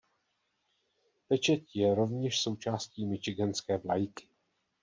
Pečeť je rovněž součástí Michiganské vlajky.